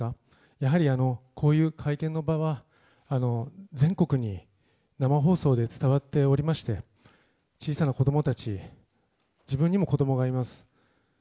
やはり、こういう会見の場は、全国に生放送で伝わっておりまして、小さな子どもたち、自分にも子どもがいます。